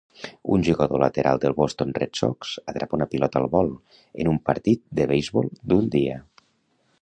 Un jugador lateral del Boston Red Sox atrapa una pilota al vol en un partit de beisbol d'un dia.